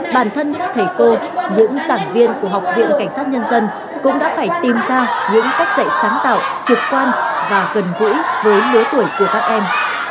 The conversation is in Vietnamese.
bản thân các thầy cô những giảng viên của học viện cảnh sát nhân dân cũng đã phải tìm ra những cách dạy sáng tạo trực quan và gần gũi với lứa tuổi của các em